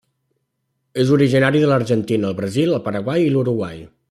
És originari de l'Argentina, el Brasil, el Paraguai i l'Uruguai.